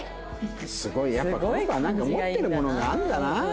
すごいやっぱこの子はなんか持ってるものがあるんだな。